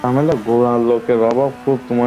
মানুষ খুঁজে বের করা।